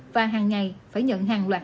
và hàng ngày phải nhận hàng loạt